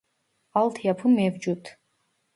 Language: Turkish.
Alt yapı mevcut